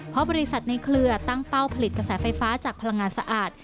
เพราะบริษัทในเครือตั้งเป้าผลิตกระแสไฟฟ้าจากพลังงานสะอาด